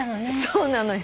そうなのよ。